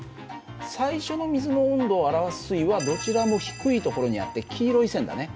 最初の水の温度を表す水位はどちらも低いところにあって黄色い線だね。